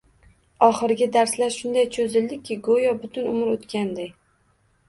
Oxirgi darslar shunday cho`zildiki go`yo butun umr o`tganday